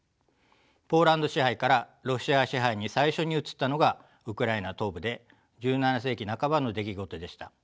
ポーランド支配からロシア支配に最初に移ったのがウクライナ東部で１７世紀半ばの出来事でした。